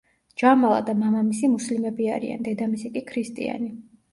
ჯამალა და მამამისი მუსლიმები არიან, დედამისი კი ქრისტიანი.